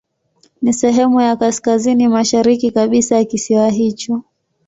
Ni sehemu ya kaskazini mashariki kabisa ya kisiwa hicho.